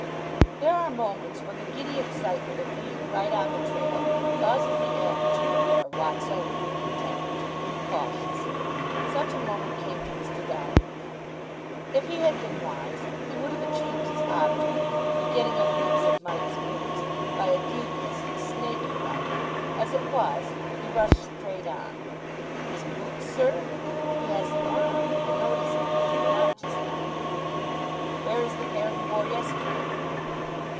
There are moments when the giddy excitement of being right on the trail causes the amateur (or Watsonian) detective to be incautious. Such a moment came to Mr. Downing then. If he had been wise, he would have achieved his object, the getting a glimpse of Mike's boots, by a devious and snaky route. As it was, he rushed straight on. "His boots, sir? He has them on. I noticed them as he went out just now." "Where is the pair he wore yesterday?"